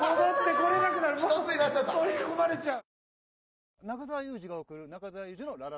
取り込まれちゃう！